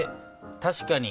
確かに。